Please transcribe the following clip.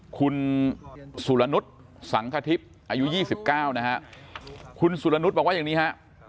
คุณสุรนุษย์สังคทิพย์อายุ๒๙นะฮะคุณสุรนุษย์บอกว่าอย่างนี้ฮะ